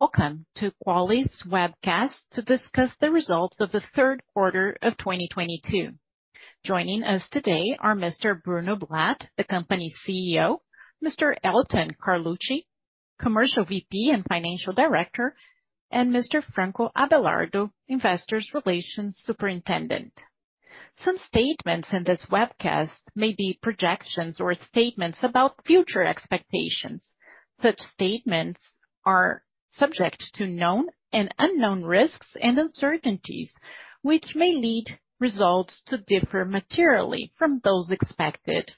Welcome to Quali's webcast to discuss the results of the third quarter of 2022. Joining us today are Mr. Bruno Blatt, the company CEO, Mr. Elton Carluci, Commercial VP and Financial Director, and Mr. Franco Abelardo, Investors Relations Superintendent. Some statements in this webcast may be projections or statements about future expectations. Such statements are subject to known and unknown risks and uncertainties, which may lead results to differ materially from those expected.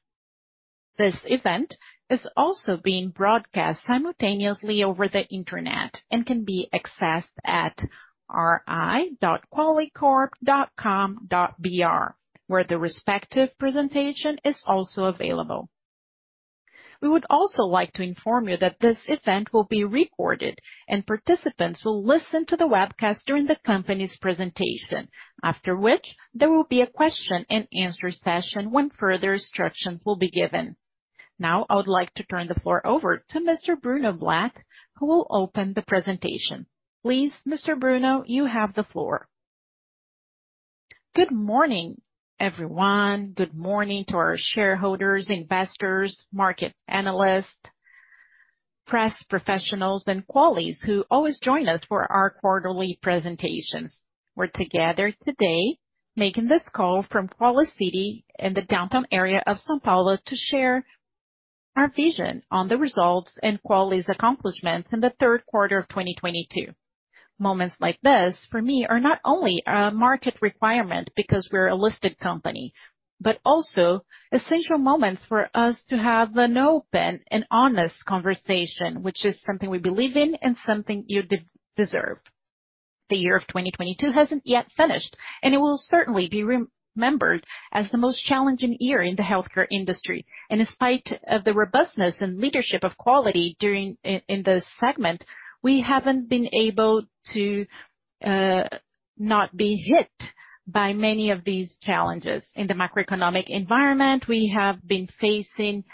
This event is also being broadcast simultaneously over the Internet and can be accessed at ri.qualicorp.com.br, where the respective presentation is also available. We would also like to inform you that this event will be recorded and participants will listen to the webcast during the company's presentation. After which, there will be a question-and-answer session when further instructions will be given. Now, I would like to turn the floor over to Mr. Bruno Blatt, who will open the presentation. Please, Mr. Bruno, you have the floor. Good morning, everyone. Good morning to our shareholders, investors, market analysts, press professionals, and Quali’s who always join us for our quarterly presentations. We're together today making this call from [Qualicity] in the downtown area of São Paulo to share our vision on the results and Quali’s accomplishments in the third quarter of 2022. Moments like this, for me, are not only a market requirement because we're a listed company, but also essential moments for us to have an open and honest conversation, which is something we believe in and something you deserve. The year of 2022 hasn't yet finished, and it will certainly be remembered as the most challenging year in the healthcare industry. In spite of the robustness and leadership of Quali in this segment, we haven't been able to not be hit by many of these challenges. In the macroeconomic environment, we have been facing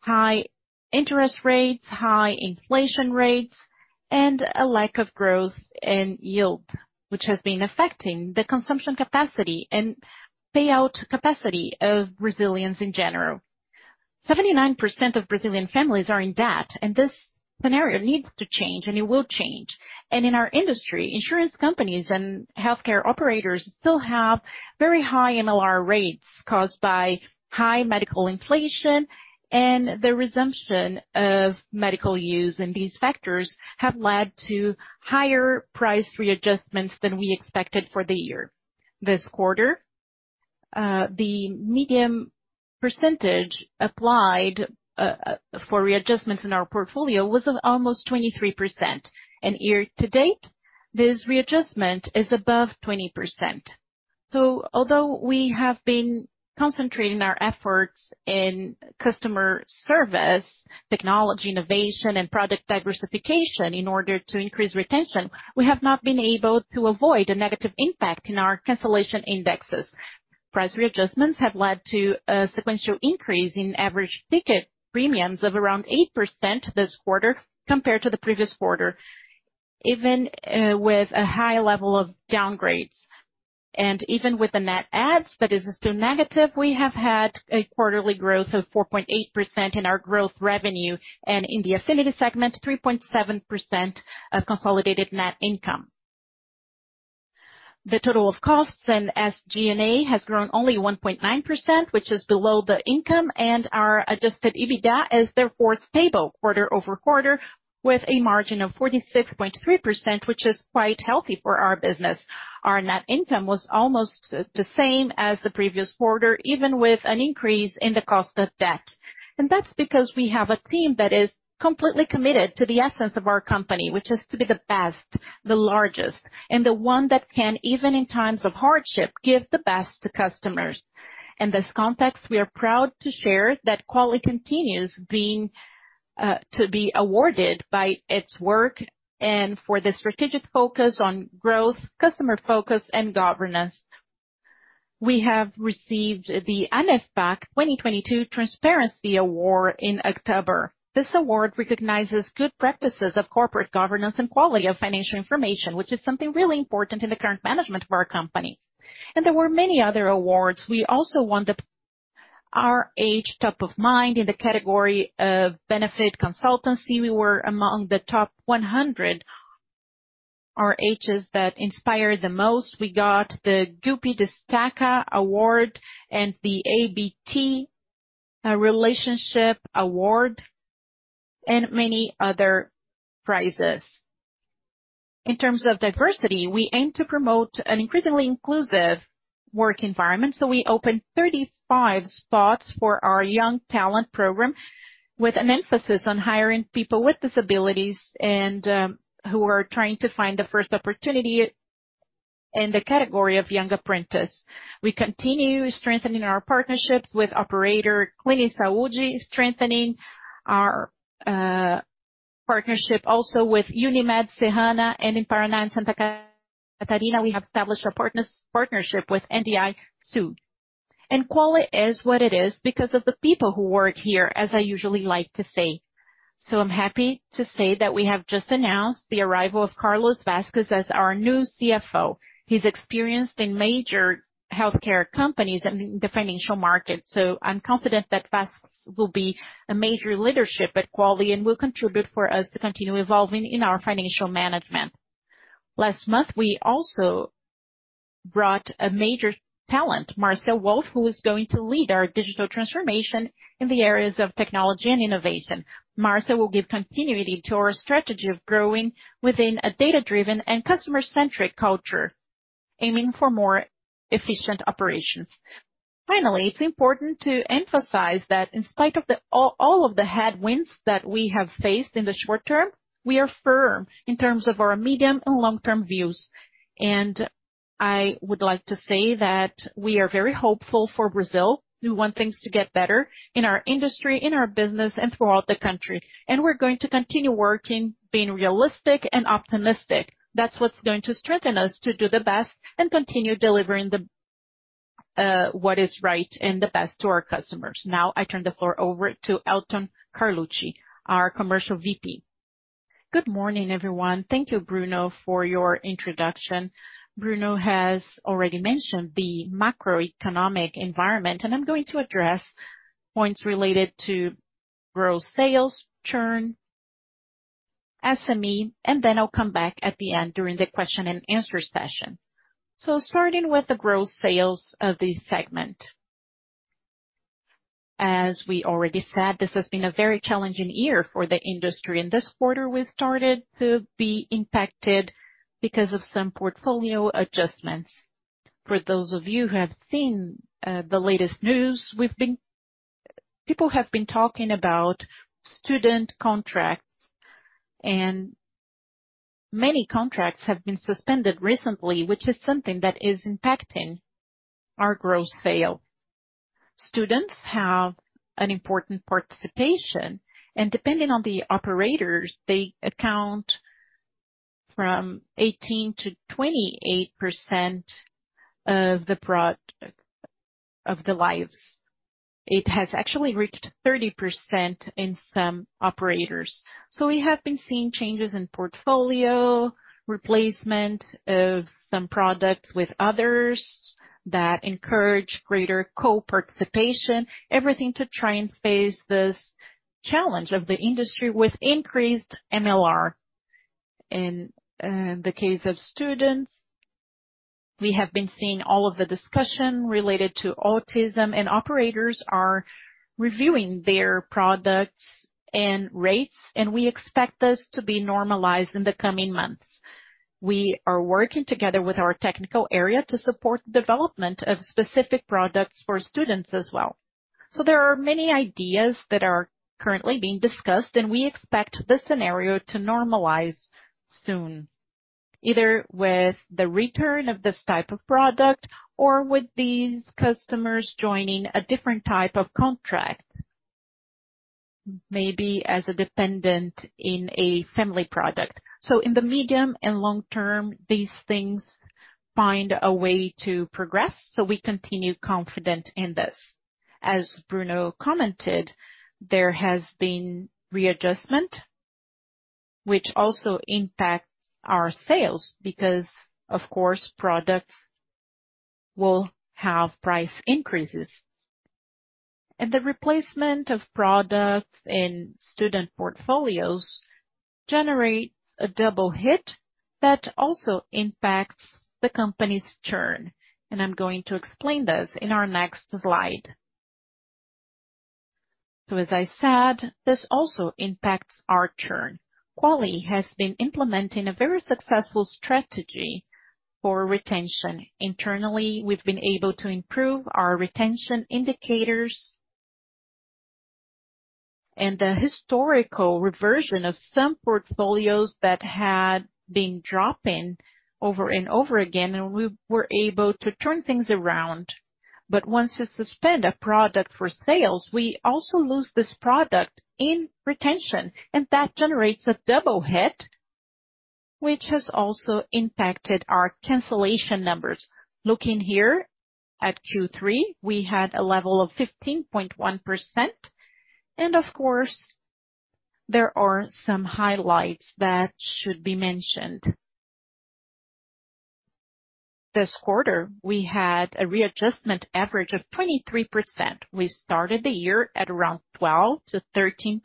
high interest rates, high inflation rates, and a lack of growth and yield, which has been affecting the consumption capacity and payout capacity of Brazilians in general. 79% of Brazilian families are in debt, and this scenario needs to change, and it will change. In our industry, insurance companies and healthcare operators still have very high MLR rates caused by high medical inflation and the resumption of medical use. These factors have led to higher price readjustments than we expected for the year. This quarter, the median percentage applied for readjustments in our portfolio was almost 23%. Year to date, this readjustment is above 20%. Although we have been concentrating our efforts in customer service, technology, innovation and product diversification in order to increase retention, we have not been able to avoid a negative impact in our cancellation indexes. Price readjustments have led to a sequential increase in average ticket premiums of around 8% this quarter compared to the previous quarter, even with a high level of downgrades. Even with the net adds that is still negative, we have had a quarterly growth of 4.8% in our gross revenue, and in the Affinity segment, 3.7% of consolidated net income. The total of costs and SG&A has grown only 1.9%, which is below the income, and our Adjusted EBITDA is therefore stable quarter-over-quarter, with a margin of 46.3%, which is quite healthy for our business. Our net income was almost the same as the previous quarter, even with an increase in the cost of debt. That's because we have a team that is completely committed to the essence of our company, which is to be the best, the largest, and the one that can, even in times of hardship, give the best to customers. In this context, we are proud to share that Quali continues being to be awarded by its work and for the strategic focus on growth, customer focus and governance. We have received the ANEFAC 2022 Transparency Award in October. This award recognizes good practices of corporate governance and quality of financial information, which is something really important in the current management of our company. There were many other awards. We also won the RH Top of Mind in the category of Benefit Consultancy. We were among the top 100 RHs that inspired the most. We got the Gupy Destaca award and the ABT Relationship Award, and many other prizes. In terms of diversity, we aim to promote an increasingly inclusive work environment. We opened 35 spots for our young talent program, with an emphasis on hiring people with disabilities and who are trying to find the first opportunity in the category of young apprentice. We continue strengthening our partnerships with operator Klini Saúde, strengthening our partnership also with Unimed Serrana. In Paraná and Santa Catarina, we have established a partnership with NDI Sul. Quali is what it is because of the people who work here, as I usually like to say. I'm happy to say that we have just announced the arrival of Carlos Vasques as our new CFO. He's experienced in major healthcare companies and the financial market, so I'm confident that Vasquez will be a major leadership at Quali and will contribute for us to continue evolving in our financial management. Last month, we also brought a major talent, Márcia Wolff, who is going to lead our digital transformation in the areas of technology and innovation. Márcia will give continuity to our strategy of growing within a data-driven and customer-centric culture, aiming for more efficient operations. Finally, it's important to emphasize that in spite of all of the headwinds that we have faced in the short term, we are firm in terms of our medium and long-term views. I would like to say that we are very hopeful for Brazil. We want things to get better in our industry, in our business, and throughout the country. We're going to continue working, being realistic and optimistic. That's what's going to strengthen us to do the best and continue delivering the what is right and the best to our customers. Now, I turn the floor over to Elton Carluci, our Commercial VP. Good morning, everyone. Thank you, Bruno, for your introduction. Bruno has already mentioned the macroeconomic environment, and I'm going to address points related to gross sales, churn, SME, and then I'll come back at the end during the question-and-answer session. Starting with the gross sales of this segment. As we already said, this has been a very challenging year for the industry. In this quarter, we started to be impacted because of some portfolio adjustments. For those of you who have seen the latest news, we've been. People have been talking about student contracts, and many contracts have been suspended recently, which is something that is impacting our gross sales. Students have an important participation, and depending on the operators, they account from 18%-28% of the lives. It has actually reached 30% in some operators. We have been seeing changes in portfolio, replacement of some products with others that encourage greater co-participation, everything to try and face this challenge of the industry with increased MLR. In the case of students, we have been seeing all of the discussion related to autism, and operators are reviewing their products and rates, and we expect this to be normalized in the coming months. We are working together with our technical area to support the development of specific products for students as well. There are many ideas that are currently being discussed, and we expect this scenario to normalize soon, either with the return of this type of product or with these customers joining a different type of contract, maybe as a dependent in a family product. In the medium and long term, these things find a way to progress, so we continue confident in this. As Bruno commented, there has been readjustment, which also impacts our sales because, of course, products will have price increases. The replacement of products in student portfolios generates a double hit that also impacts the company's churn. I'm going to explain this in our next slide. As I said, this also impacts our churn. Quali has been implementing a very successful strategy for retention. Internally, we've been able to improve our retention indicators and the historical reversion of some portfolios that had been dropping over and over again, and we were able to turn things around. Once you suspend a product for sales, we also lose this product in retention, and that generates a double hit, which has also impacted our cancellation numbers. Looking here at Q3, we had a level of 15.1%, and of course, there are some highlights that should be mentioned. This quarter, we had a readjustment average of 23%. We started the year at around 12%-13%,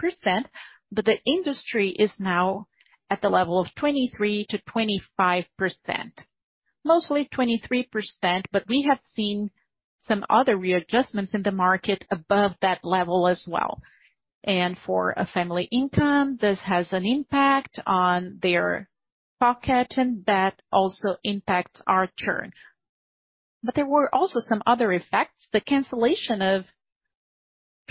but the industry is now at the level of 23%-25%. Mostly 23%, but we have seen some other readjustments in the market above that level as well. For a family income, this has an impact on their pocket, and that also impacts our churn. There were also some other effects. The cancellation of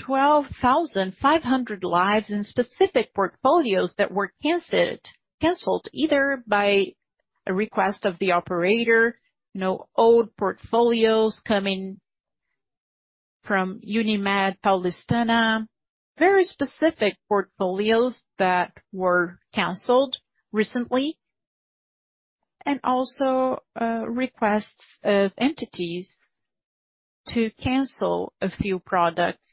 12,500 lives in specific portfolios that were canceled, either by a request of the operator, you know, old portfolios coming from Unimed Paulistana, very specific portfolios that were canceled recently. Requests of entities to cancel a few products.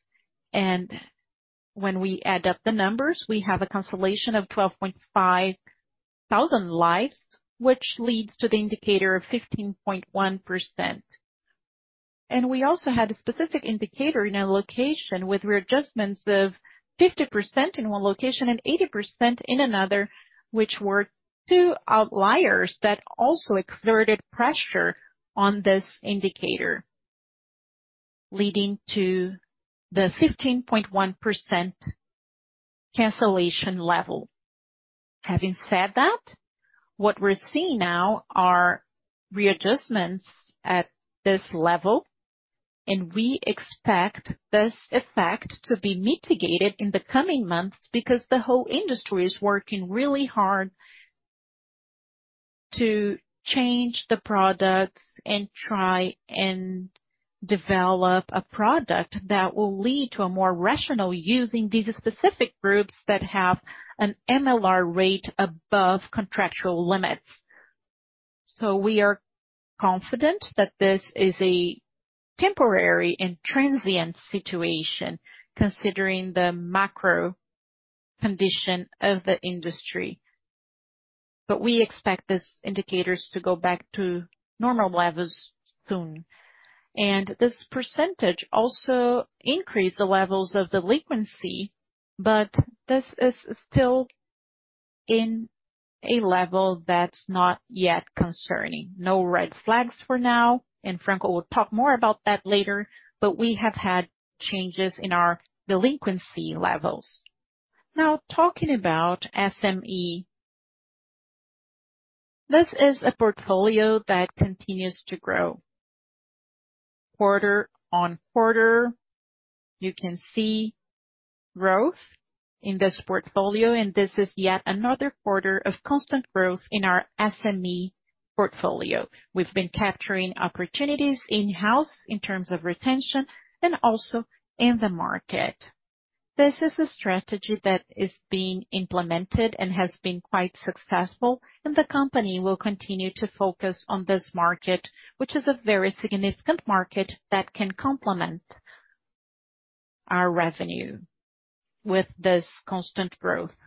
When we add up the numbers, we have a cancellation of 12,500 lives, which leads to the indicator of 15.1%. We also had a specific indicator in a location with readjustments of 50% in one location and 80% in another, which were two outliers that also exerted pressure on this indicator, leading to the 15.1% cancellation level. Having said that, what we're seeing now are readjustments at this level, and we expect this effect to be mitigated in the coming months because the whole industry is working really hard to change the products and try and develop a product that will lead to a more rational using these specific groups that have an MLR rate above contractual limits. We are confident that this is a temporary and transient situation considering the macro condition of the industry. We expect these indicators to go back to normal levels soon. This percentage also increased the levels of delinquency, but this is still in a level that's not yet concerning. No red flags for now, Franco will talk more about that later, but we have had changes in our delinquency levels. Now talking about SME. This is a portfolio that continues to grow quarter-on-quarter. You can see growth in this portfolio, and this is yet another quarter of constant growth in our SME portfolio. We've been capturing opportunities in-house in terms of retention and also in the market. This is a strategy that is being implemented and has been quite successful, and the company will continue to focus on this market, which is a very significant market that can complement our revenue with this constant growth.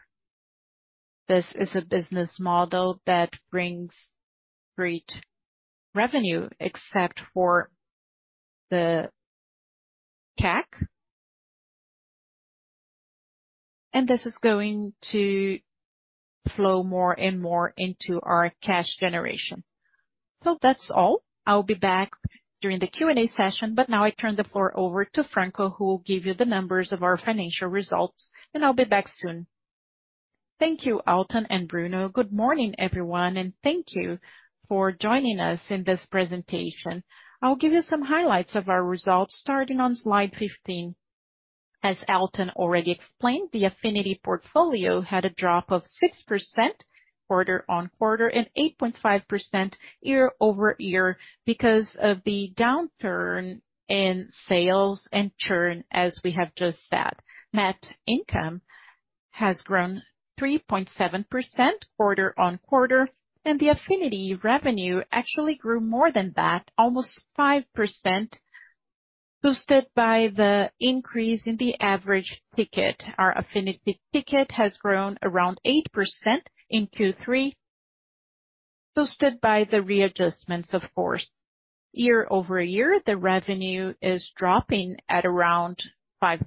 This is a business model that brings great revenue, except for the CAC. This is going to flow more and more into our cash generation. That's all. I'll be back during the Q&A session, but now I turn the floor over Franco, who will give you the numbers of our financial results, and I'll be back soon. Thank you, Elton and Bruno. Good morning, everyone, and thank you for joining us in this presentation. I'll give you some highlights of our results starting on slide 15. As Elton already explained, the Affinity portfolio had a drop of 6% quarter-on-quarter and 8.5% year-over-year because of the downturn in sales and churn, as we have just said. Net income has grown 3.7% quarter-on-quarter, and the Affinity revenue actually grew more than that, almost 5%, boosted by the increase in the average ticket. Our Affinity ticket has grown around 8% in Q3, boosted by the readjustments, of course. Year-over-year, the revenue is dropping at around 5%,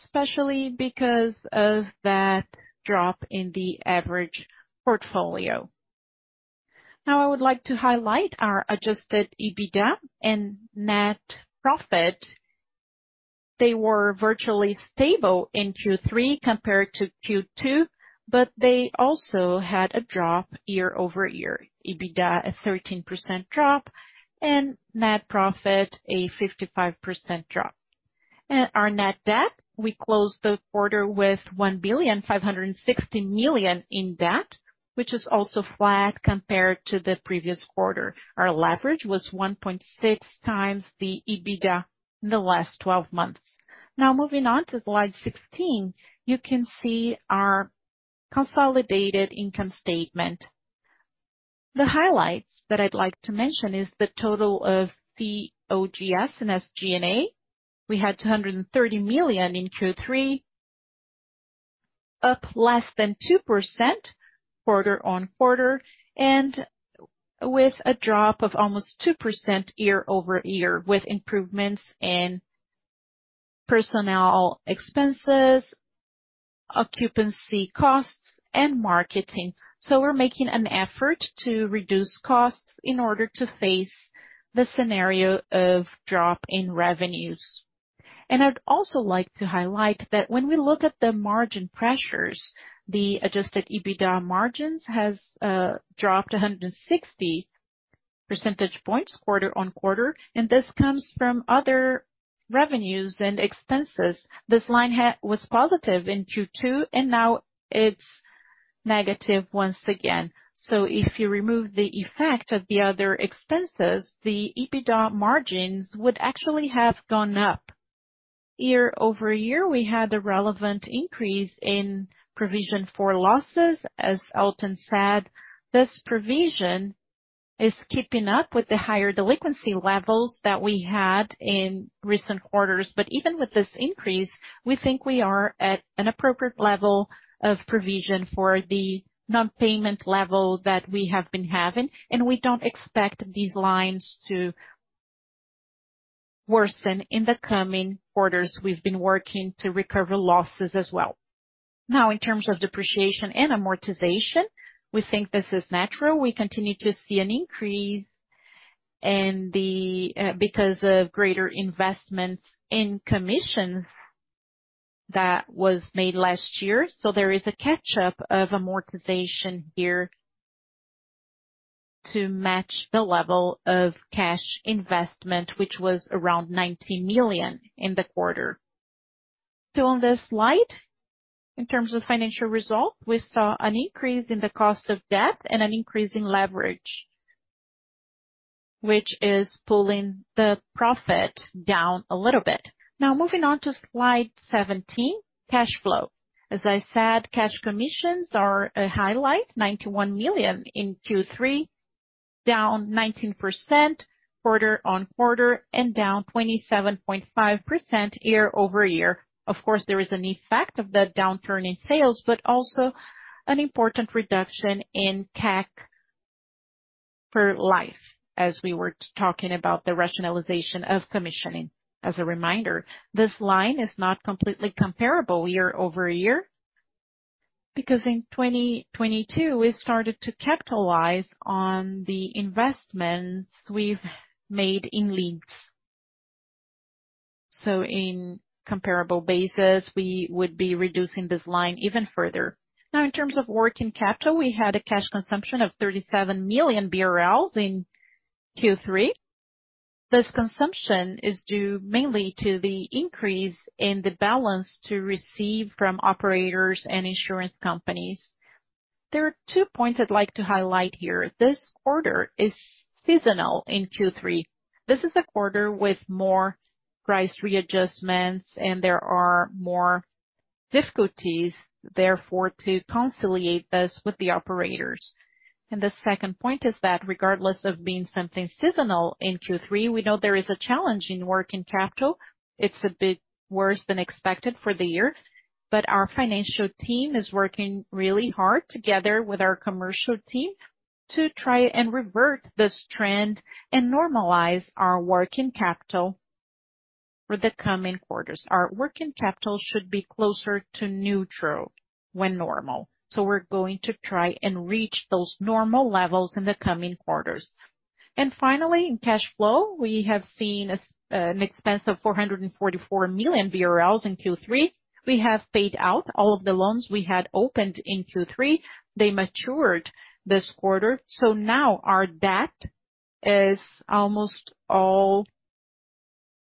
especially because of that drop in the average portfolio. Now I would like to highlight our Adjusted EBITDA and net profit. They were virtually stable in Q3 compared to Q2, but they also had a drop year-over-year. EBITDA, a 13% drop, and net profit, a 55% drop. Our net debt, we closed the quarter with 1,560,000,000 in debt, which is also flat compared to the previous quarter. Our leverage was 1.6x the EBITDA in the last 12 months. Now moving on to slide 16, you can see our consolidated income statement. The highlights that I'd like to mention is the total of the COGS and SG&A. We had 230 million in Q3, up less than 2% quarter-on-quarter, and with a drop of almost 2% year-over-year, with improvements in personnel expenses, occupancy costs, and marketing. We're making an effort to reduce costs in order to face the scenario of drop in revenues. I'd also like to highlight that when we look at the margin pressures, the Adjusted EBITDA margins has dropped 160 percentage points quarter-on-quarter, and this comes from other revenues and expenses. This line was positive in Q2, and now it's negative once again. If you remove the effect of the other expenses, the EBITDA margins would actually have gone up. Year-over-year, we had a relevant increase in provision for losses. As Elton said, this provision is keeping up with the higher delinquency levels that we had in recent quarters. Even with this increase, we think we are at an appropriate level of provision for the non-payment level that we have been having, and we don't expect these lines to worsen in the coming quarters. We've been working to recover losses as well. Now, in terms of depreciation and amortization, we think this is natural. We continue to see an increase in the, because of greater investments in commissions that was made last year. There is a catch-up of amortization here to match the level of cash investment, which was around 19 million in the quarter. On this slide, in terms of financial result, we saw an increase in the cost of debt and an increase in leverage, which is pulling the profit down a little bit. Now moving on to slide 17, cash flow. As I said, cash commissions are a highlight, 91 million in Q3, down 19% quarter-on-quarter and down 27.5% year-over-year. Of course, there is an effect of the downturn in sales, but also an important reduction in CAC for life, as we were talking about the rationalization of commissioning. As a reminder, this line is not completely comparable year-over-year, because in 2022, we started to capitalize on the investments we've made in leads. So in comparable basis, we would be reducing this line even further. Now in terms of working capital, we had a cash consumption of 37 million BRL in Q3. This consumption is due mainly to the increase in the balance to receive from operators and insurance companies. There are two points I'd like to highlight here. This quarter is seasonal in Q3. This is a quarter with more price readjustments, and there are more difficulties, therefore, to conciliate this with the operators. The second point is that regardless of being something seasonal in Q3, we know there is a challenge in working capital. It's a bit worse than expected for the year. Our financial team is working really hard together with our commercial team to try and revert this trend and normalize our working capital for the coming quarters. Our working capital should be closer to neutral when normal. We're going to try and reach those normal levels in the coming quarters. Finally, in cash flow, we have seen an expense of 444 million BRL in Q3. We have paid out all of the loans we had opened in Q3. They matured this quarter. Now our debt is almost all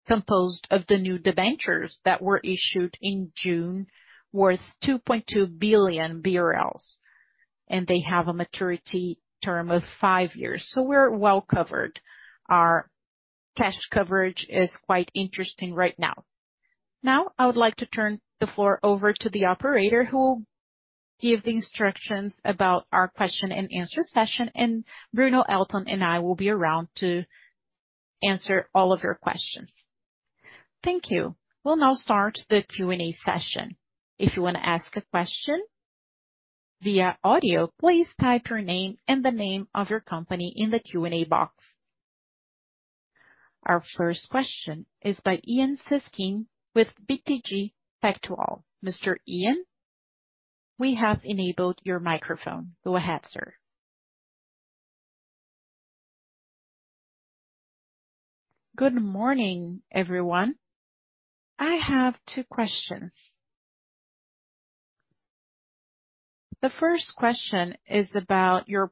composed of the new debentures that were issued in June, worth 2.2 billion BRL, and they have a maturity term of five years. We're well covered. Our cash coverage is quite interesting right now. Now I would like to turn the floor over to the operator, who will give the instructions about our question-and-answer session. Bruno, Elton, and I will be around to answer all of your questions. Thank you. We'll now start the Q&A session. If you wanna ask a question via audio, please type your name and the name of your company in the Q&A box. Our first question is by Ian [Zaskin] with BTG Pactual. Mr. Ian, we have enabled your microphone. Go ahead, sir. Good morning, everyone. I have two questions. The first question is about your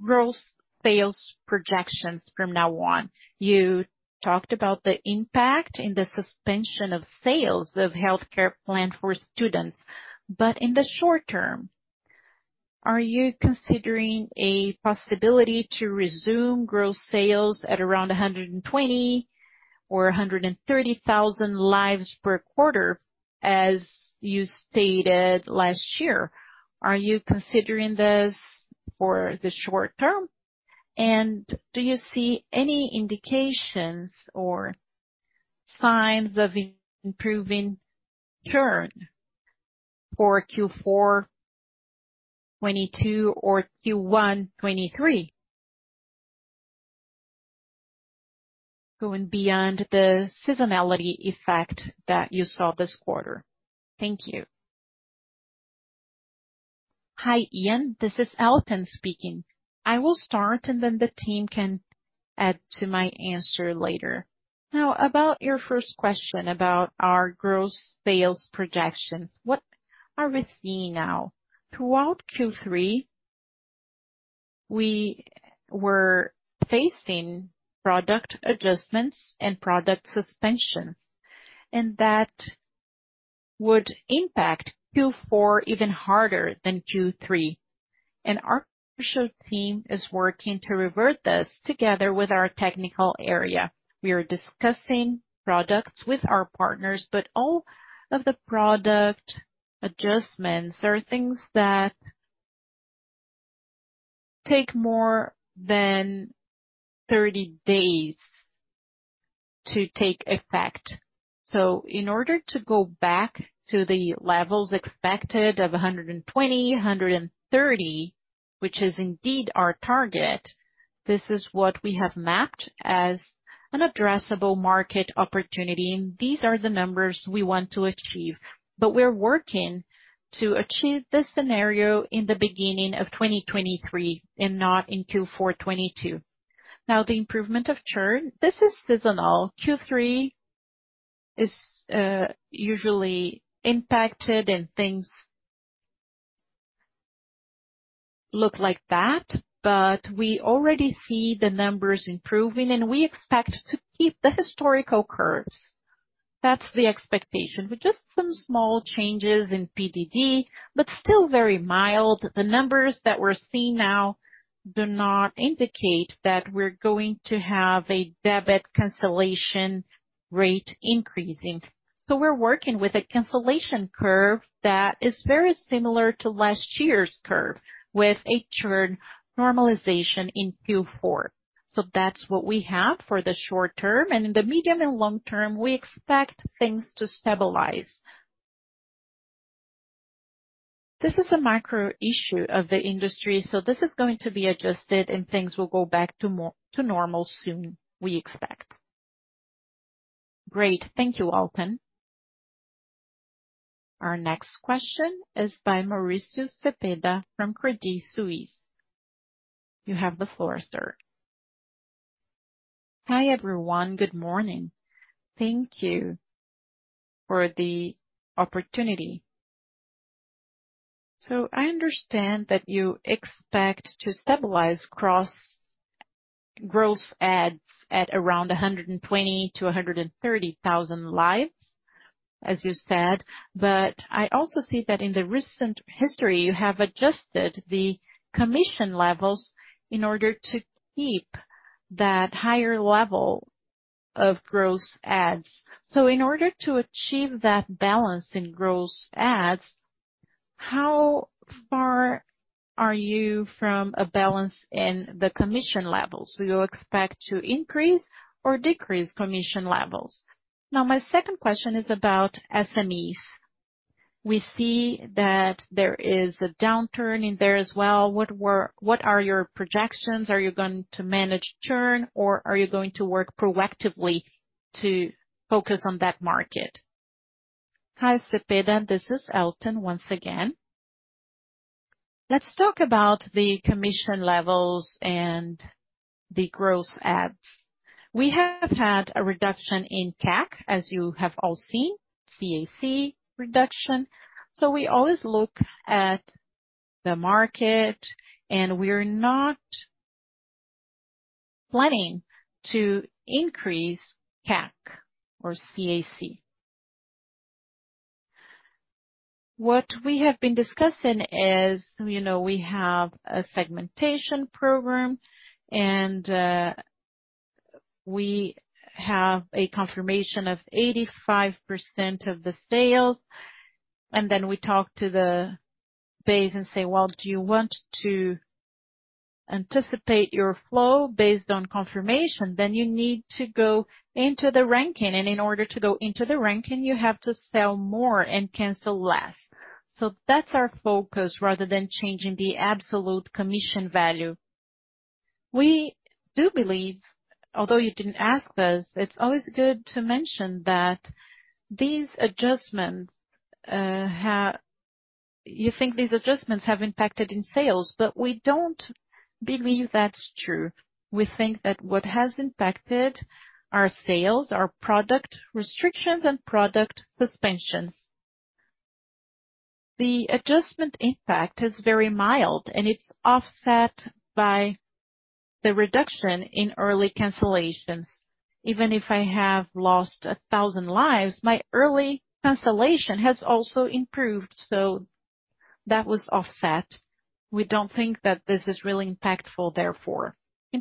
gross sales projections from now on. You talked about the impact in the suspension of sales of healthcare plan for students. In the short term, are you considering a possibility to resume gross sales at around 120,000 or 130,000 lives per quarter, as you stated last year? Are you considering this for the short term? Do you see any indications or signs of improving churn for Q4 2022 or Q1 2023, going beyond the seasonality effect that you saw this quarter? Thank you. Hi, Ian, this is Elton speaking. I will start and then the team can add to my answer later. Now, about your first question about our gross sales projections, what are we seeing now? Throughout Q3, we were facing product adjustments and product suspensions, and that would impact Q4 even harder than Q3. Our commercial team is working to revert this together with our technical area. We are discussing products with our partners, but all of the product adjustments are things that take more than 30 days to take effect. In order to go back to the levels expected of 120,000, 130,000, which is indeed our target, this is what we have mapped as an addressable market opportunity, and these are the numbers we want to achieve. We're working to achieve this scenario in the beginning of 2023 and not in Q4 2022. Now, the improvement of churn, this is seasonal. Q3 is usually impacted and things look like that, but we already see the numbers improving, and we expect to keep the historical curves. That's the expectation. With just some small changes in PDD, but still very mild. The numbers that we're seeing now do not indicate that we're going to have a debit cancellation rate increasing. We're working with a cancellation curve that is very similar to last year's curve, with a churn normalization in Q4. That's what we have for the short term. In the medium and long term, we expect things to stabilize. This is a micro issue of the industry, so this is going to be adjusted and things will go back to normal soon, we expect. Great. Thank you, Elton. Our next question is by Mauricio Cepeda from Credit Suisse. You have the floor, sir. Hi, everyone. Good morning. Thank you for the opportunity. I understand that you expect to stabilize gross adds at around 120,000-130,000 lives, as you said. I also see that in the recent history, you have adjusted the commission levels in order to keep that higher level of gross adds. In order to achieve that balance in gross adds, how far are you from a balance in the commission levels? Do you expect to increase or decrease commission levels? Now, my second question is about SMEs. We see that there is a downturn in there as well. What are your projections? Are you going to manage churn or are you going to work proactively to focus on that market? Hi, Cepeda, this is Elton once again. Let's talk about the commission levels and the gross adds. We have had a reduction in CAC, as you have all seen, CAC reduction. We always look at the market, and we are not planning to increase CAC. What we have been discussing is, you know, we have a segmentation program and we have a confirmation of 85% of the sales, and then we talk to the base and say, "Well, do you want to anticipate your flow based on confirmation?" You need to go into the ranking. In order to go into the ranking, you have to sell more and cancel less. That's our focus rather than changing the absolute commission value. We do believe, although you didn't ask this, it's always good to mention that these adjustments you think these adjustments have impacted in sales, but we don't believe that's true. We think that what has impacted our sales are product restrictions and product suspensions. The adjustment impact is very mild, and it's offset by the reduction in early cancellations. Even if I have lost 1,000 lives, my early cancellation has also improved, so that was offset. We don't think that this is really impactful, therefore. In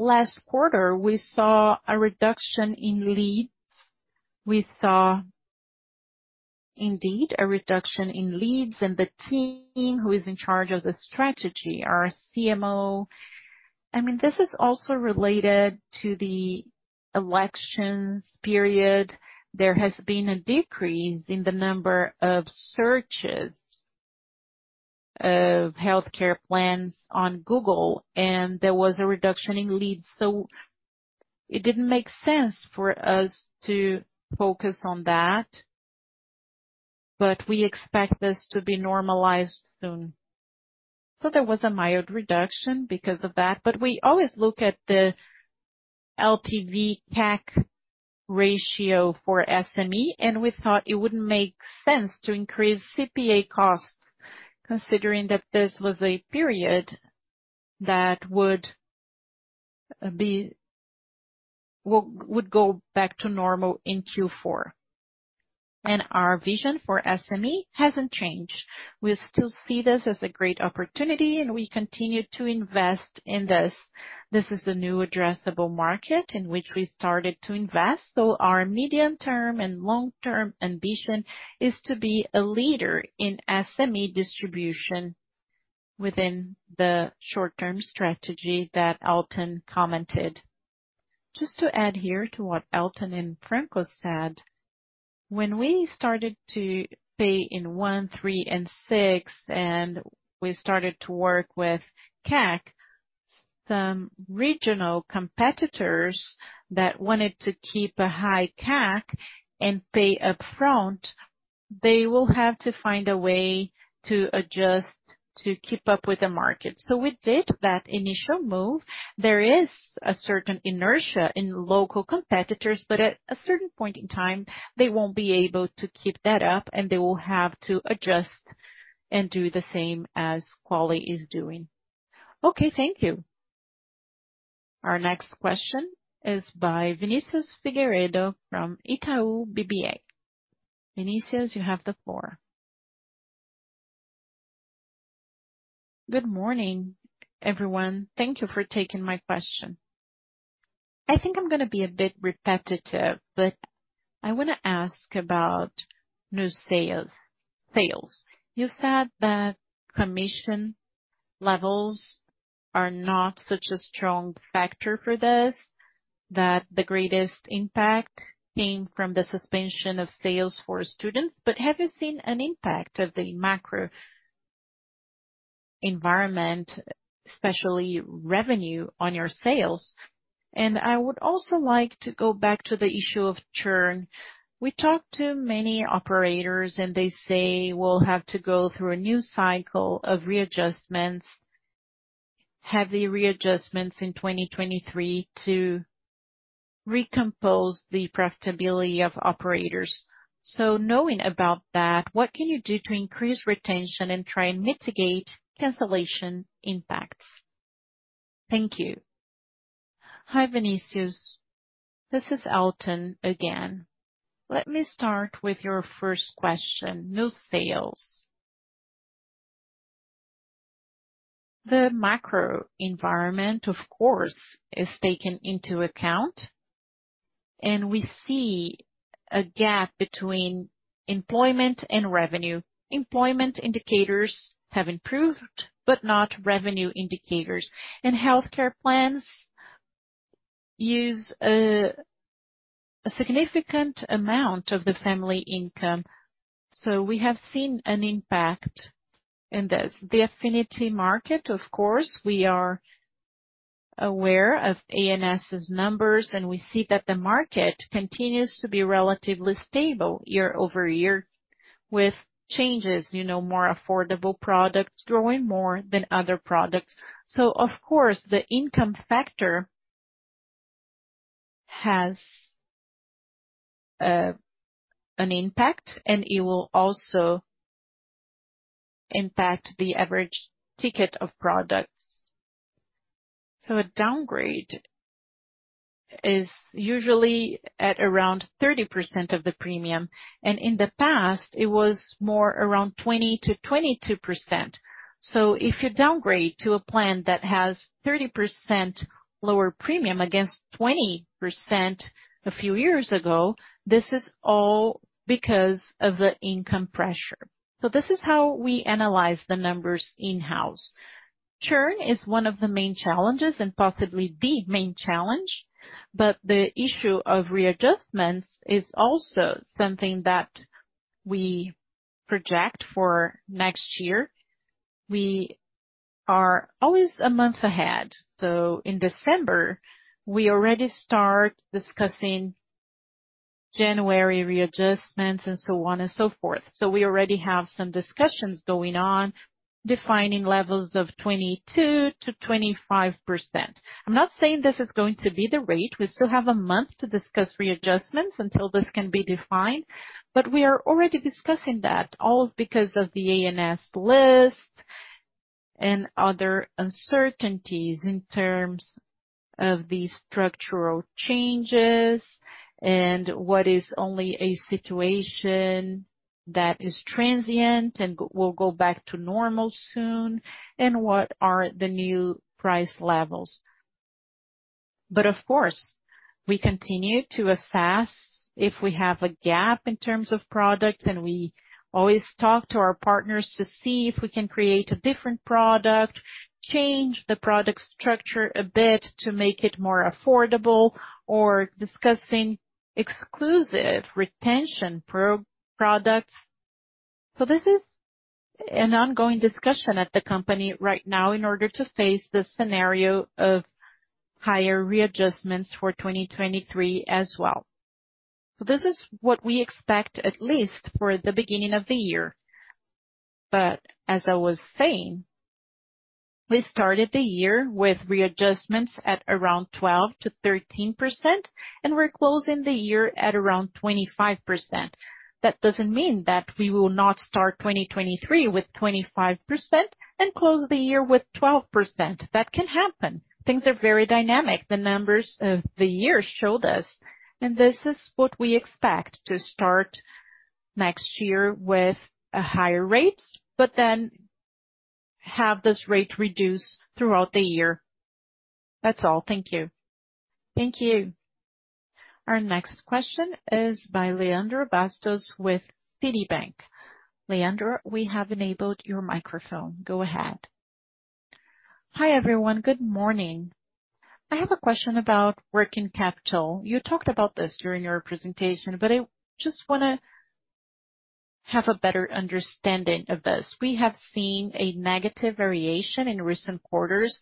terms of SME, last quarter, we saw a reduction in leads. We saw indeed a reduction in leads. The team who is in charge of the strategy, our CMO, I mean, this is also related to the elections period. There has been a decrease in the number of searches of healthcare plans on Google, and there was a reduction in leads. It didn't make sense for us to focus on that, but we expect this to be normalized soon. There was a mild reduction because of that. We always look at the LTV/CAC ratio for SME, and we thought it wouldn't make sense to increase CPA costs considering that this was a period that would go back to normal in Q4. Our vision for SME hasn't changed. We still see this as a great opportunity, and we continue to invest in this. This is the new addressable market in which we started to invest. Our medium-term and long-term ambition is to be a leader in SME distribution within the short-term strategy that Elton commented. Just to add here to what Elton and Franco said, when we started to pay in 1, 3 and 6, and we started to work with CAC, some regional competitors that wanted to keep a high CAC and pay upfront, they will have to find a way to adjust to keep up with the market. We did that initial move. There is a certain inertia in local competitors, but at a certain point in time, they won't be able to keep that up, and they will have to adjust and do the same as Quali is doing. Okay. Thank you. Our next question is by Vinicius Figueiredo from Itaú BBA. Vinicius, you have the floor. Good morning, everyone. Thank you for taking my question. I think I'm gonna be a bit repetitive, but I wanna ask about new sales. You said that commission levels are not such a strong factor for this, that the greatest impact came from the suspension of sales for students. But have you seen an impact of the macro environment, especially revenue on your sales? And I would also like to go back to the issue of churn. We talked to many operators and they say we'll have to go through a new cycle of readjustments, heavy readjustments in 2023 to recompose the profitability of operators. Knowing about that, what can you do to increase retention and try and mitigate cancellation impacts? Thank you. Hi, Vinicius. This is Elton again. Let me start with your first question, new sales. The macro environment, of course, is taken into account, and we see a gap between employment and revenue. Employment indicators have improved, but not revenue indicators. Healthcare plans use a significant amount of the family income, so we have seen an impact in this. The Affinity market, of course, we are aware of ANS' numbers, and we see that the market continues to be relatively stable year-over-year with changes, you know, more affordable products growing more than other products. Of course, the income factor has an impact, and it will also impact the average ticket of products. A downgrade is usually at around 30% of the premium, and in the past, it was more around 20%-22%. If you downgrade to a plan that has 30% lower premium against 20% a few years ago, this is all because of the income pressure. This is how we analyze the numbers in-house. Churn is one of the main challenges and possibly the main challenge, but the issue of readjustments is also something that we project for next year. We are always a month ahead. In December, we already start discussing January readjustments and so on and so forth. We already have some discussions going on, defining levels of 22%-25%. I'm not saying this is going to be the rate. We still have a month to discuss readjustments until this can be defined, but we are already discussing that, all because of the ANS list and other uncertainties in terms of these structural changes and what is only a situation that is transient and will go back to normal soon, and what are the new price levels. Of course, we continue to assess if we have a gap in terms of product, and we always talk to our partners to see if we can create a different product, change the product structure a bit to make it more affordable, or discussing exclusive retention products. This is an ongoing discussion at the company right now in order to face the scenario of higher readjustments for 2023 as well. This is what we expect, at least for the beginning of the year. As I was saying we started the year with readjustments at around 12%-13%, and we're closing the year at around 25%. That doesn't mean that we will not start 2023 with 25% and close the year with 12%. That can happen. Things are very dynamic. The numbers of the year show this, and this is what we expect to start next year with a higher rates, but then have this rate reduce throughout the year. That's all. Thank you. Thank you. Our next question is by Leandro Bastos with Citibank. Leandro, we have enabled your microphone. Go ahead. Hi, everyone. Good morning. I have a question about working capital. You talked about this during your presentation, but I just wanna have a better understanding of this. We have seen a negative variation in recent quarters,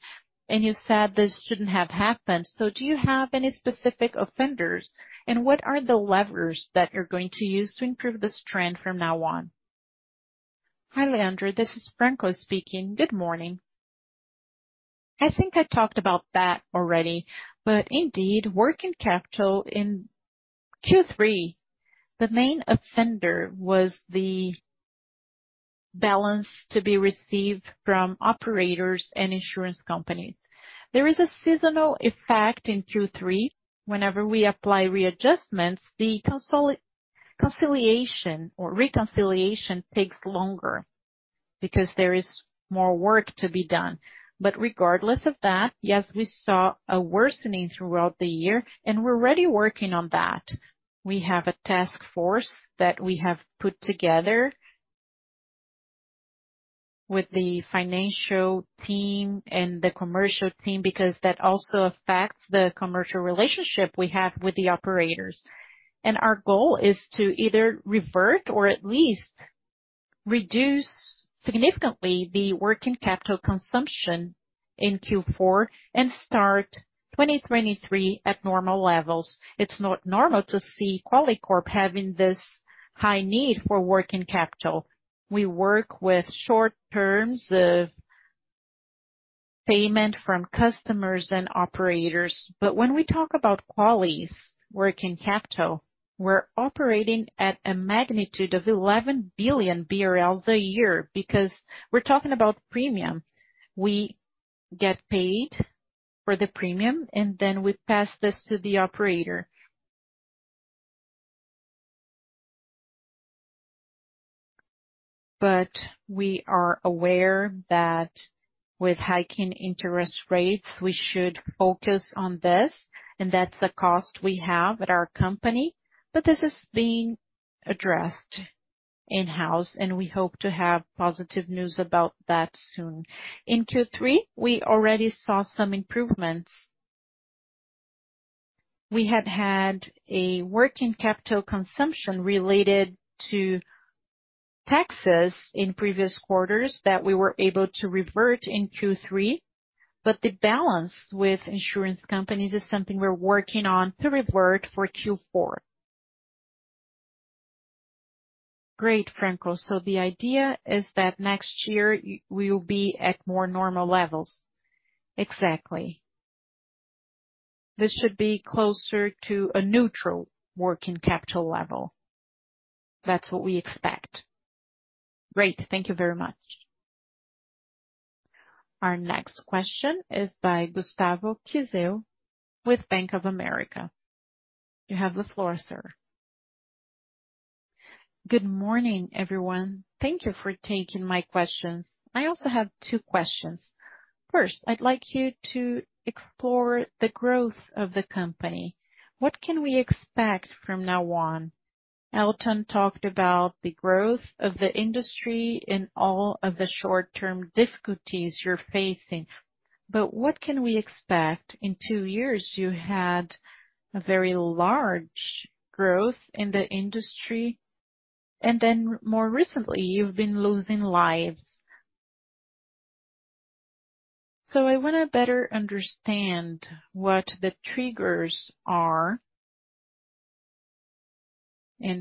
and you said this shouldn't have happened. Do you have any specific offenders, and what are the levers that you're going to use to improve this trend from now on? Hi, Leandro. This Franco speaking. Good morning. I think I talked about that already. Indeed, working capital in Q3, the main offender was the balance to be received from operators and insurance companies. There is a seasonal effect in Q3. Whenever we apply readjustments, the consolidation or reconciliation takes longer because there is more work to be done. Regardless of that, yes, we saw a worsening throughout the year, and we're already working on that. We have a task force that we have put together with the financial team and the commercial team because that also affects the commercial relationship we have with the operators. Our goal is to either revert or at least reduce significantly the working capital consumption in Q4 and start 2023 at normal levels. It's not normal to see Qualicorp having this high need for working capital. We work with short terms of payment from customers and operators. When we talk about Quali's working capital, we're operating at a magnitude of 11 billion BRL a year because we're talking about premium. We get paid for the premium, and then we pass this to the operator. We are aware that with hiking interest rates, we should focus on this, and that's the cost we have at our company. This is being addressed in-house, and we hope to have positive news about that soon. In Q3, we already saw some improvements. We had a working capital consumption related to taxes in previous quarters that we were able to revert in Q3, but the balance with insurance companies is something we're working on to revert for Q4. Great Franco. So the idea is that next year we will be at more normal levels. Exactly. This should be closer to a neutral working capital level. That's what we expect. Great. Thank you very much. Our next question is by Gustavo Miele with Bank of America. You have the floor, sir. Good morning, everyone. Thank you for taking my questions. I also have two questions. First, I'd like you to explore the growth of the company. What can we expect from now on? Elton talked about the growth of the industry and all of the short-term difficulties you're facing. What can we expect? In two years, you had a very large growth in the industry, and then more recently, you've been losing lives. I wanna better understand what the triggers are.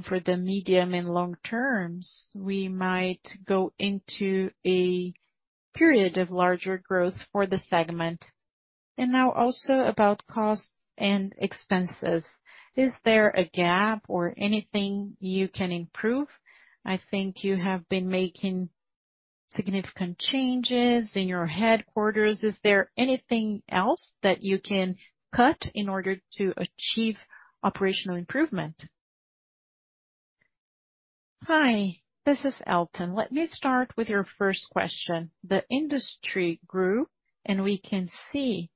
For the medium and long terms, we might go into a period of larger growth for the segment. Now also about costs and expenses, is there a gap or anything you can improve? I think you have been making significant changes in your headquarters. Is there anything else that you can cut in order to achieve operational improvement? Hi, this is Elton. Let me start with your first question. The industry grew, and we can see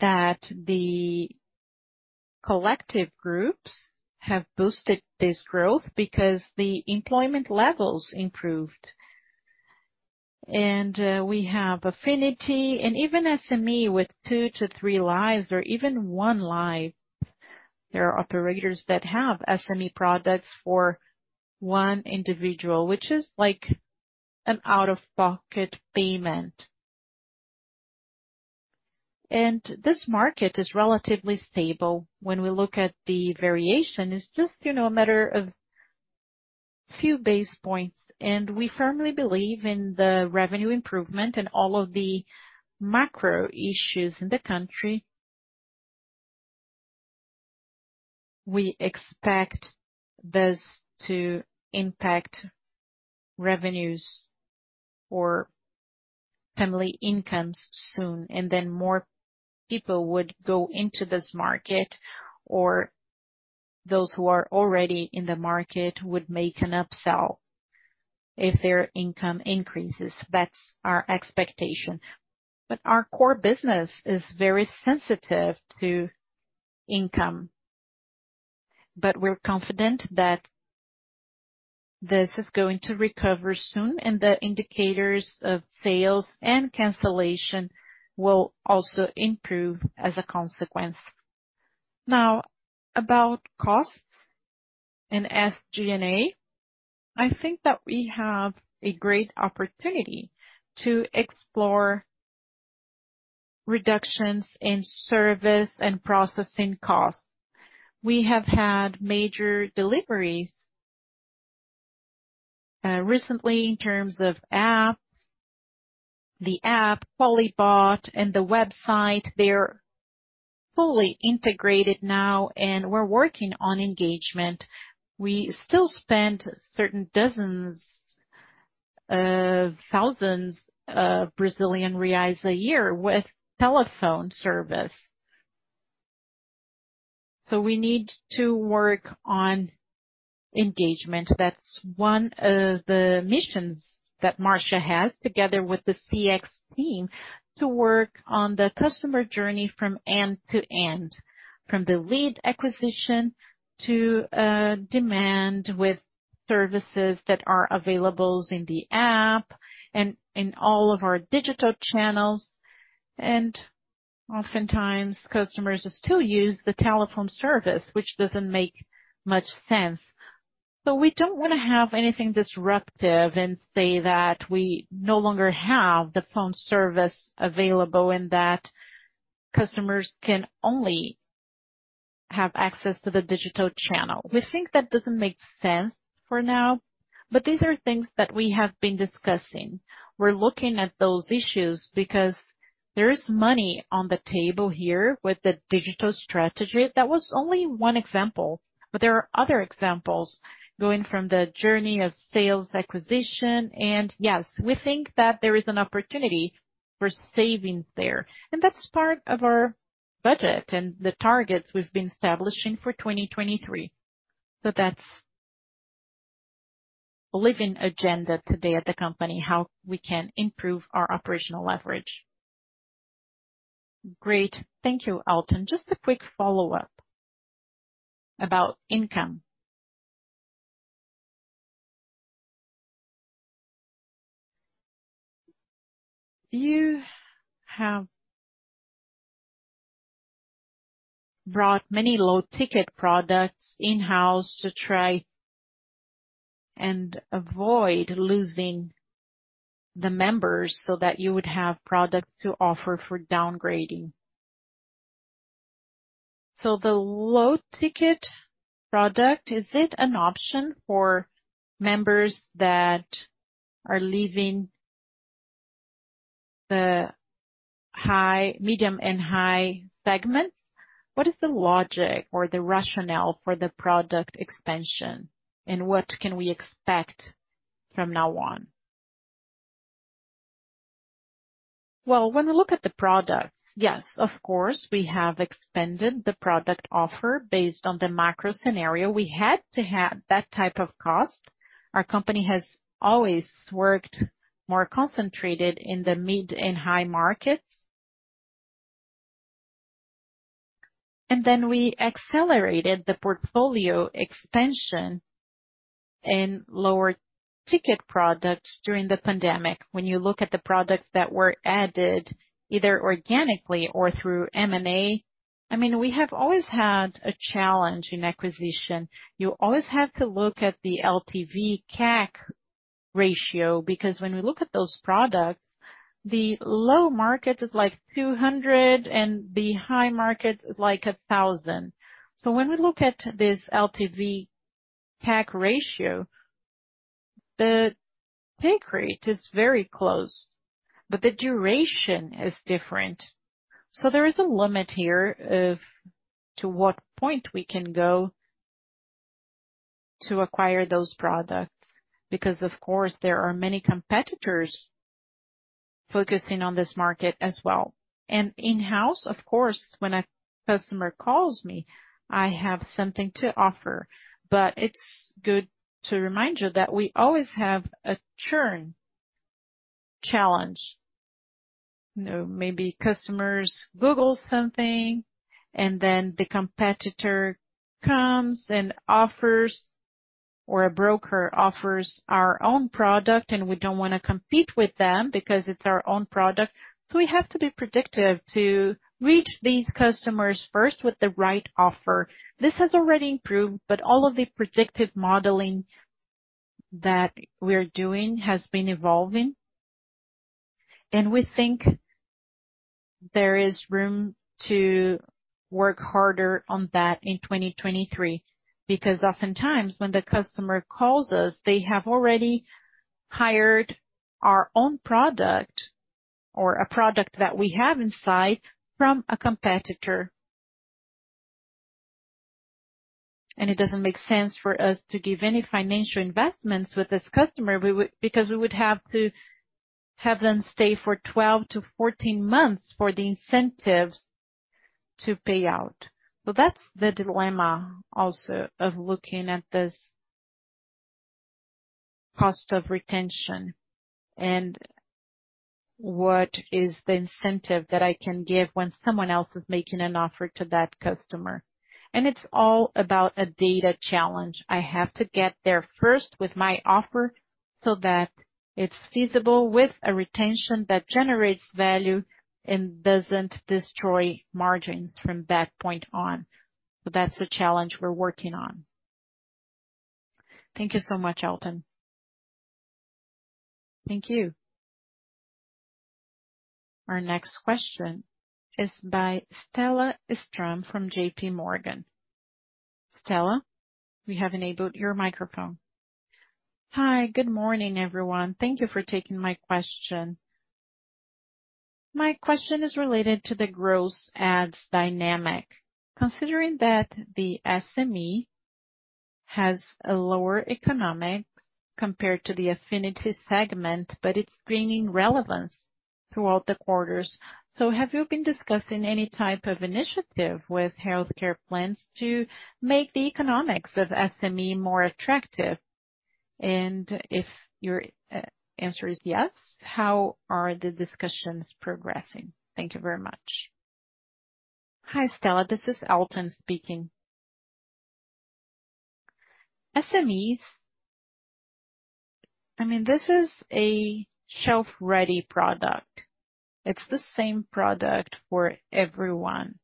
that the collective groups have boosted this growth because the employment levels improved. We have Affinity and even SME with two to three lives or even one life. There are operators that have SME products for one individual, which is like an out-of-pocket payment. This market is relatively stable. When we look at the variation, it's just, you know, a matter of few basis points. We firmly believe in the revenue improvement and all of the macro issues in the country. We expect this to impact revenues or family incomes soon, and then more people would go into this market, or those who are already in the market would make an upsell if their income increases. That's our expectation. Our core business is very sensitive to income. We're confident that this is going to recover soon, and the indicators of sales and cancellation will also improve as a consequence. Now about costs and SG&A. I think that we have a great opportunity to explore reductions in service and processing costs. We have had major deliveries recently in terms of apps. The app, [QualiBot], and the website, they're fully integrated now and we're working on engagement. We still spend certain dozens of thousands of Brazilian Reais a year with telephone service. We need to work on engagement. That's one of the missions that Márcia has together with the CX team to work on the customer journey from end to end. From the lead acquisition to end with services that are available in the app and in all of our digital channels. Oftentimes customers still use the telephone service, which doesn't make much sense. We don't wanna have anything disruptive and say that we no longer have the phone service available and that customers can only have access to the digital channel. We think that doesn't make sense for now, but these are things that we have been discussing. We're looking at those issues because there is money on the table here with the digital strategy. That was only one example, but there are other examples going from the journey of sales acquisition, and yes, we think that there is an opportunity for savings there. That's part of our budget and the targets we've been establishing for 2023. That's a living agenda today at the company, how we can improve our operational leverage. Great. Thank you, Elton. Just a quick follow-up about income. You have brought many low-ticket products in-house to try and avoid losing the members so that you would have product to offer for downgrading. The low-ticket product, is it an option for members that are leaving the high, medium and high segments? What is the logic or the rationale for the product expansion, and what can we expect from now on? Well, when we look at the products, yes, of course, we have expanded the product offer based on the macro scenario. We had to have that type of cost. Our company has always worked more concentrated in the mid and high markets. We accelerated the portfolio expansion in lower ticket products during the pandemic. When you look at the products that were added, either organically or through M&A, I mean, we have always had a challenge in acquisition. You always have to look at the LTV/CAC ratio, because when we look at those products, the low market is like 200, and the high market is like 1,000. When we look at this LTV/CAC ratio, the take rate is very close, but the duration is different. There is a limit here of to what point we can go to acquire those products, because of course, there are many competitors focusing on this market as well. In-house, of course, when a customer calls me, I have something to offer. It's good to remind you that we always have a churn challenge. You know, maybe customers Google something and then the competitor comes and offers or a broker offers our own product and we don't wanna compete with them because it's our own product. We have to be predictive to reach these customers first with the right offer. This has already improved, but all of the predictive modeling that we're doing has been evolving, and we think there is room to work harder on that in 2023. Because oftentimes, when the customer calls us, they have already hired our own product or a product that we have in sight from a competitor. It doesn't make sense for us to give any financial investments with this customer. Because we would have to have them stay for 12-14 months for the incentives to pay out. That's the dilemma also of looking at this cost of retention and what is the incentive that I can give when someone else is making an offer to that customer. It's all about a data challenge. I have to get there first with my offer so that it's feasible with a retention that generates value and doesn't destroy margin from that point on. That's the challenge we're working on. Thank you so much, Elton. Thank you. Our next question is by [Stella Strom] from JPMorgan. [Stella], we have enabled your microphone. Hi. Good morning, everyone. Thank you for taking my question. My question is related to the gross adds dynamic. Considering that the SME has a lower economics compared to the Affinity segment, but it's bringing relevance throughout the quarters. Have you been discussing any type of initiative with healthcare plans to make the economics of SME more attractive? And if your answer is yes, how are the discussions progressing? Thank you very much. [Stella]. This is Elton Carluci speaking. SMEs. I mean, this is a shelf-ready product. It's the same product for everyone,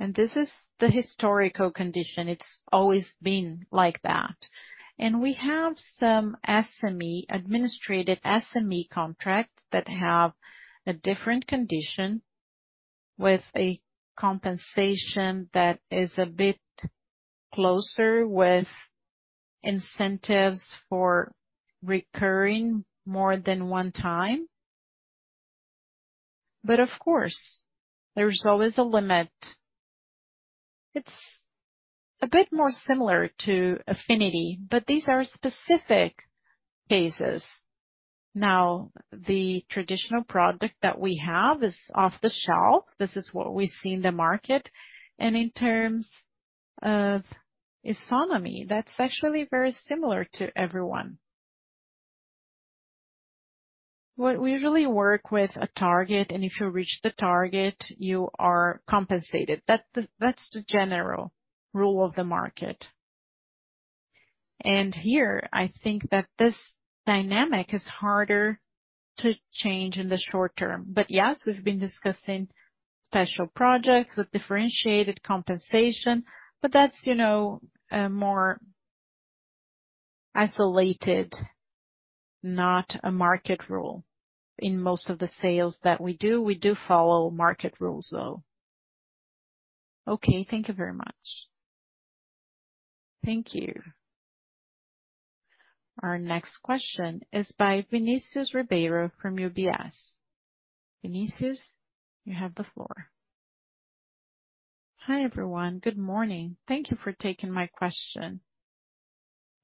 and this is the historical condition. It's always been like that. We have some SME, administrative SME contracts that have a different condition with a compensation that is a bit closer with incentives for recurring more than one time. But of course, there's always a limit. It's a bit more similar to Affinity, but these are specific cases. Now, the traditional product that we have is off the shelf. This is what we see in the market. In terms of economy, that's actually very similar to everyone. We usually work with a target, and if you reach the target, you are compensated. That's the general rule of the market. Here, I think that this dynamic is harder to change in the short term. Yes, we've been discussing special projects with differentiated compensation, but that's, you know, a more isolated, not a market rule. In most of the sales that we do, we do follow market rules, though. Okay. Thank you very much. Thank you. Our next question is by [Vinicius Ribeiro] from UBS. Vinicius, you have the floor. Hi, everyone. Good morning. Thank you for taking my question.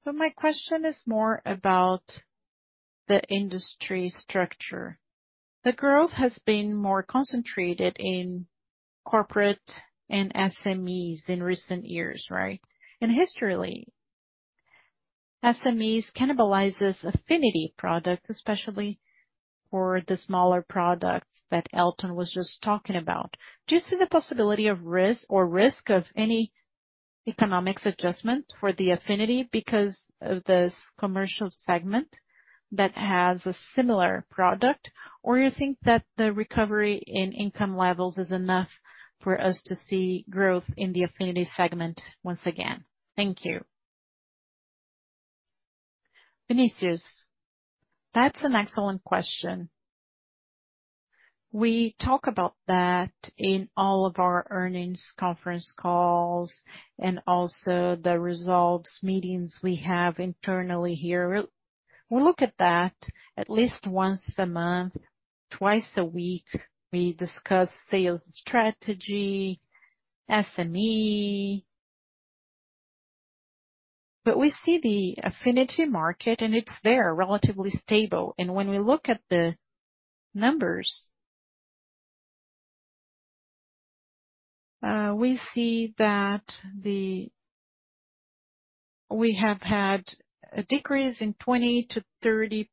My question is more about the industry structure. The growth has been more concentrated in corporate and SMEs in recent years, right? Historically, SMEs cannibalizes Affinity products, especially for the smaller products that Elton was just talking about. Do you see the possibility of risk or risk of any economics adjustment for the Affinity because of this commercial segment that has a similar product? Or you think that the recovery in income levels is enough for us to see growth in the Affinity segment once again? Thank you. Vinicius, that's an excellent question. We talk about that in all of our earnings conference calls and also the results meetings we have internally here. We look at that at least once a month. Twice a week, we discuss sales strategy, SME. We see the Affinity market, and it's there, relatively stable. When we look at the numbers, we see that we have had a decrease in 20%-30%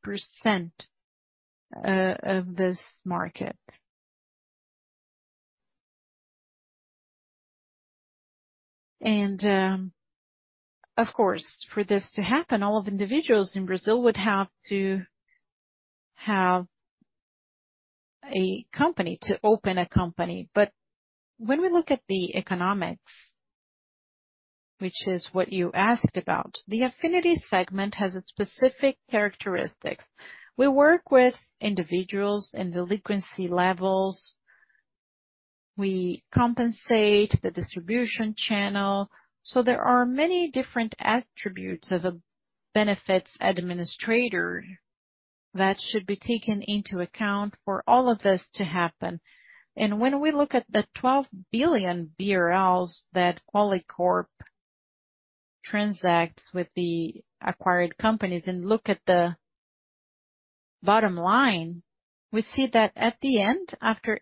of this market. Of course, for this to happen, all individuals in Brazil would have to open a company. When we look at the economics, which is what you asked about, the Affinity segment has specific characteristics. We work with individuals and delinquency levels. We compensate the distribution channel. There are many different attributes of a benefits administrator that should be taken into account for all of this to happen. When we look at the 12 billion BRL that Qualicorp transacts with the acquired companies and look at the bottom line, we see that at the end, after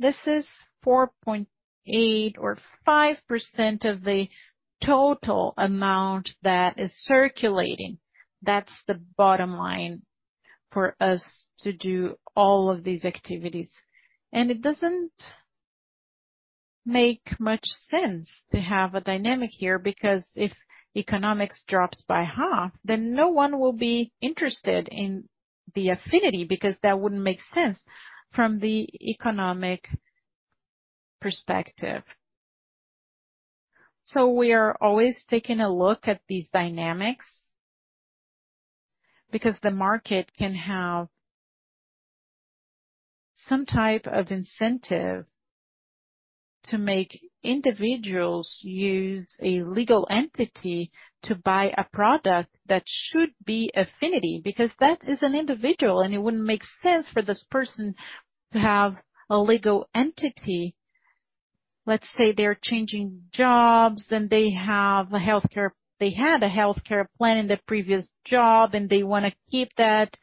everything, this is 4.8% or 5% of the total amount that is circulating. That's the bottom line for us to do all of these activities. It doesn't make much sense to have a dynamic here, because if economics drops by half, then no one will be interested in the Affinity, because that wouldn't make sense from the economic perspective. We are always taking a look at these dynamics, because the market can have some type of incentive to make individuals use a legal entity to buy a product that should be Affinity. Because that is an individual, and it wouldn't make sense for this person to have a legal entity. Let's say they're changing jobs and they had a healthcare plan in the previous job, and they wanna keep that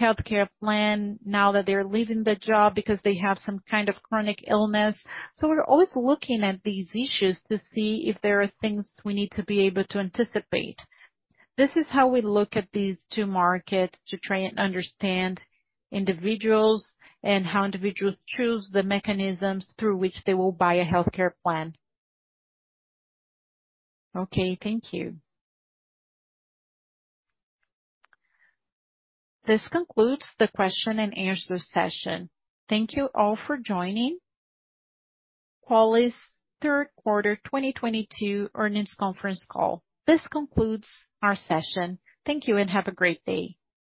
healthcare plan now that they're leaving the job because they have some kind of chronic illness. We're always looking at these issues to see if there are things we need to be able to anticipate. This is how we look at these two markets to try and understand individuals and how individuals choose the mechanisms through which they will buy a healthcare plan. Okay, thank you. This concludes the question-and-answer session. Thank you all for joining Quali's third quarter 2022 earnings conference call. This concludes our session. Thank you and have a great day.